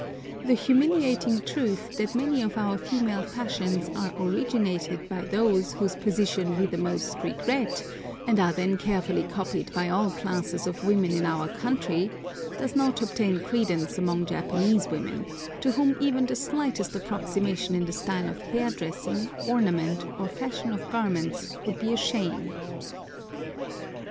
The humiliating truth that many of our female fashions are originated by those whose position we the most regret, and are then carefully copied by all classes of women in our country, does not obtain credence among Japanese women, to whom even the slightest approximation in the style of hair dressing, ornament, or fashion of garments would be a shame.